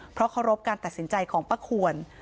เพราะเคารพการตัดสินใจของป้าควร